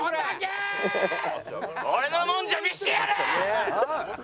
俺のもんじゃ見せてやる！